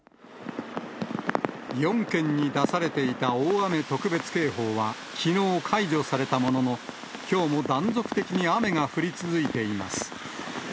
４県に出されていた大雨特別警報はきのう解除されたものの、きょうも断続的に雨が降り続いています。